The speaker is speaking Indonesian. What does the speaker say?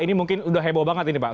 ini mungkin sudah heboh banget ini pak